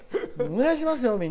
お願いしますよ！